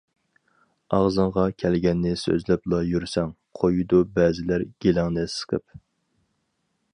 ئاغزىڭغا كەلگەننى سۆزلەپلا يۈرسەڭ، قويىدۇ بەزىلەر گېلىڭنى سىقىپ.